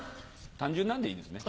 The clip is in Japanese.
単純なのでいいですね？